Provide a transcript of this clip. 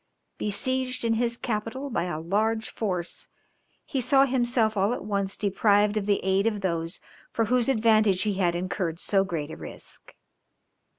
Besieged in his capital by a large force, he saw himself all at once deprived of the aid of those for whose advantage he had incurred so great a risk.